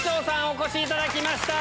お越しいただきました。